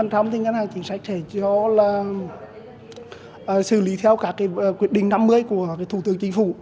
thì ngân hàng chính sách sẽ xử lý theo quyết định năm mươi của thủ tướng chính phủ